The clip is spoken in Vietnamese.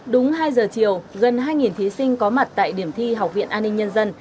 đúng hai giờ chiều gần hai thí sinh có mặt tại điểm thi học viện an ninh nhân dân